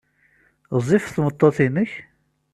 Ɣezzifet tmeṭṭut-nnek?